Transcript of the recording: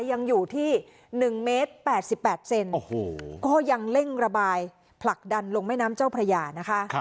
ยังอยู่ที่๑เมตร๘๘เซนก็ยังเร่งระบายผลักดันลงแม่น้ำเจ้าพระยานะคะ